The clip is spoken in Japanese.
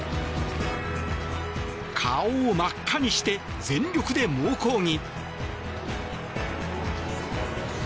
顔を真っ赤にして全力で猛抗議。